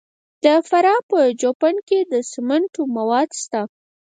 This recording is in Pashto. د فراه په جوین کې د سمنټو مواد شته.